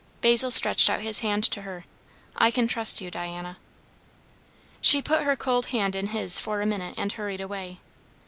Basil stretched out his hand to her. "I can trust you, Diana." She put her cold hand in his for a minute and hurried away.